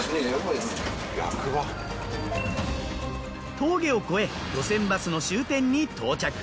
峠を越え路線バスの終点に到着。